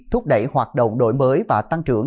thúc đẩy hoạt động đổi mới và tăng trưởng